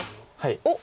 おっ！